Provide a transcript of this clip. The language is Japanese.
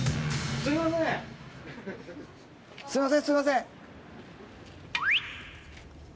すいませんすいません！